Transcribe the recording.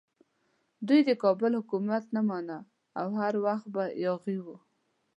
دوی د کابل حکومت نه مانه او هر وخت به یاغي وو.